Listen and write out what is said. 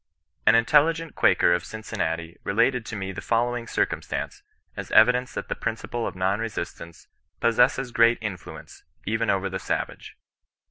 An intelligent Quaker of Cincinnati related to me the following circumstance, as evidence that the princi ple of non resistance possesses great influence, even over the savage.